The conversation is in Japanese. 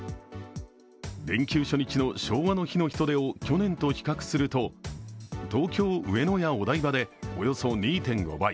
連休初日の昭和の日の人出を去年と比較すると東京・上野やお台場でおよそ２．５倍、